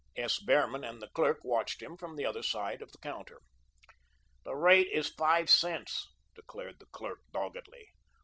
S. Behrman and the clerk watched him from the other side of the counter. "The rate is five cents," declared the clerk doggedly.